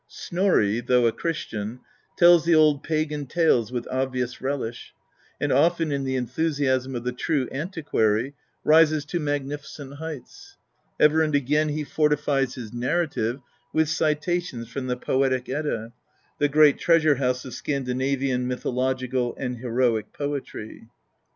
Snorri, though a Christian, tells the old pagan tales with obvious relish, and often, in the enthu siasm of the true antiquary, rises to magnificent heights. Ever and again he fortifies his narrative with citations from the Poetic Edda^ the great treasure house of Scandinavian mythological and heroic poetry.